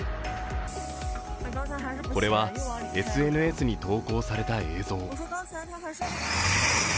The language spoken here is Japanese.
これはＳＮＳに投稿された映像。